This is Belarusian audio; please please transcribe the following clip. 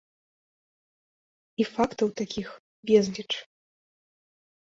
І фактаў такіх безліч.